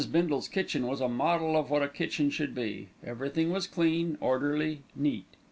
Bindle's kitchen was a model of what a kitchen should be. Everything was clean, orderly, neat.